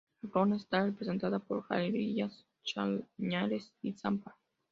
La flora está representada por jarillas, chañares y zampa.